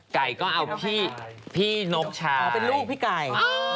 ไก่ก็เอาพี่นกชาเป็นลูกพี่ไก่